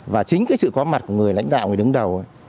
và chính cái sự có mặt của người lãnh đạo người đứng đầu